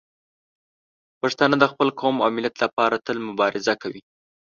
پښتانه د خپل قوم او ملت لپاره تل مبارزه کوي.